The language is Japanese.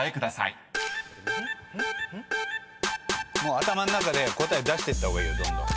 頭の中で答え出してった方がいいよどんどん。